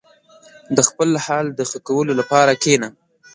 • د خپل حال د ښه کولو لپاره کښېنه.